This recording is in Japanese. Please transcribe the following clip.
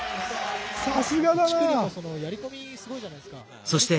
さすがだなあ。